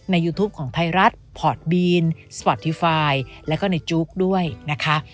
ยูทูปของไทยรัฐพอร์ตบีนสปอร์ตทีไฟล์แล้วก็ในจุ๊กด้วยนะคะ